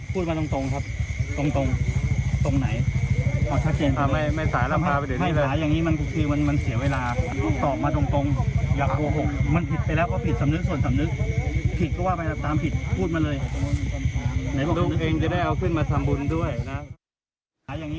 เพลง